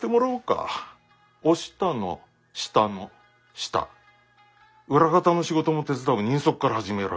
お下の下の下裏方の仕事も手伝う人足から始めろ。